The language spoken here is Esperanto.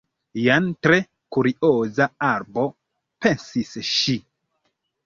"Jen tre kurioza arbo," pensis ŝi.